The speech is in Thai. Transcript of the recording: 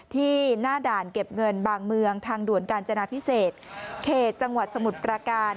ที่หน้าด่านเก็บเงินบางเมืองทางด่วนกาญจนาพิเศษเขตจังหวัดสมุทรประการ